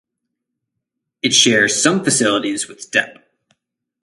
It shares some facilities with Dep.